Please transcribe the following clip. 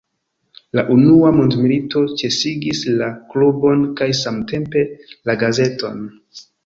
La unua mondmilito ĉesigis la klubon kaj samtempe la gazeton.